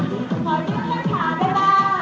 สวยงามมากได้ไหมเดี๋ยวเข้านะ